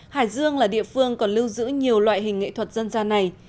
hải dương là địa phương còn lưu giữ nhiều loại hình nghệ thuật dân gian này